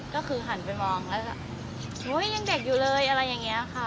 ก็คือหันไปมองแล้วยังเด็กอยู่เลยอะไรอย่างนี้ค่ะ